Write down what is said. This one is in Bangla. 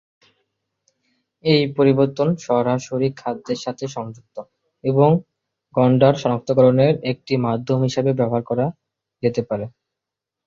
এই পরিবর্তন সরাসরি খাদ্যের সাথে সংযুক্ত এবং গণ্ডার শনাক্তকরণের একটি মাধ্যম হিসাবে ব্যবহার করা যেতে পারে।